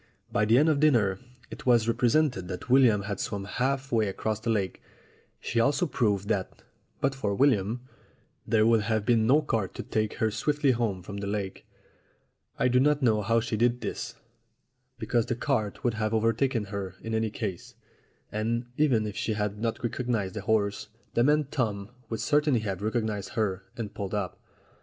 By the end of dinner it was represented that William had swum half way across the lake. She also proved that, but for William, there would have been no cart to take her swiftly home from the lake. I do not know how she did this, because the cart would have overtaken her in any case, and, even if she had not recognized the horse, the man Tom would certainly have recognized her, and pulled up.